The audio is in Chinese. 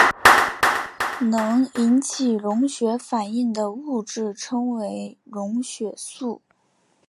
能引起溶血反应的物质称为溶血素。